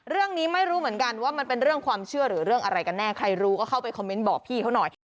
เรื่องนี้ไม่รู้เหมือนกันว่ามันเป็นเรื่องความเชื่อหรือเรื่องอะไรกันแน่ใครรู้ก็เข้าไปคอมเมนต์บอกพี่เขาหน่อย